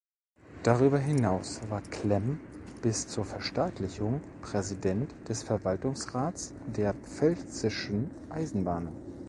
Darüber hinaus war Clemm bis zur Verstaatlichung Präsident des Verwaltungsrats der Pfälzischen Eisenbahnen.